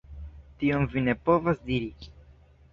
Tion vi ne povas diri!